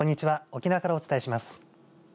沖縄からお伝えします。